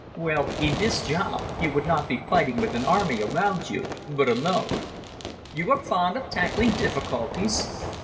Well, in this job you would not be fighting with an army around you, but alone. You are fond of tackling difficulties?